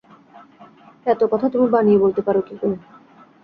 এত কথা তুমি বানিয়ে বলতে পার কী করে?